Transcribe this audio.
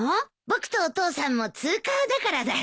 僕とお父さんもツーカーだからだよ。